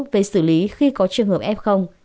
về xử lý khi có trường hợp f